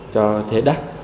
cho thuê đắc